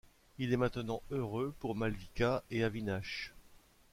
Il est maintenant heureux pour Malvika et Avinash.